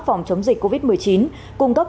phòng chống dịch covid một mươi chín cung cấp